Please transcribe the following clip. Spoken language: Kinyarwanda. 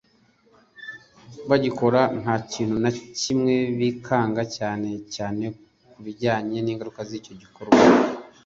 bagikora nta kintu na kimwe bikanga cyane cyane ku bijyanye n’ingaruka zava muri icyo gikorwa